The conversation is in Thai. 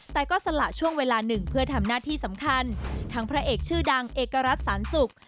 แต่ก็สละช่วงเวลาหนึ่งเพื่อทำหน้าที่สำคัญทั้งพระเอกชื่อดังเอกรัฐสารสุข